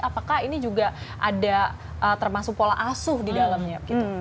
apakah ini juga ada termasuk pola asuh di dalamnya